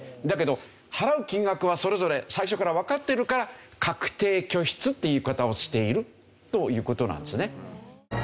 だけど払う金額はそれぞれ最初からわかっているから確定拠出という言い方をしているという事なんですね。